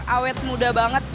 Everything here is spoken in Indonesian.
awet muda banget